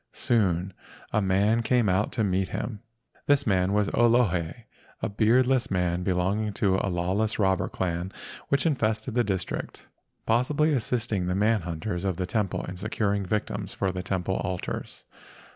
Soon a man came out to meet him. This man was an Olohe, a beardless man belong¬ ing to a lawless robber clan which infested the district, possibly assisting the man hunters of the temple in securing victims for the temple altars.